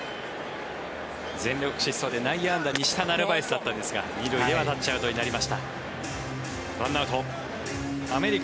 全力疾走で内野安打にしたナルバエスだったんですが２塁へはタッチアウトになりました。